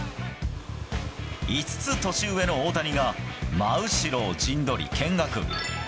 ５つ年上の大谷が真後ろを陣取り見学。